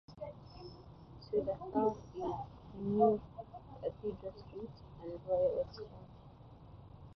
To the south is New Cathedral Street and the Royal Exchange.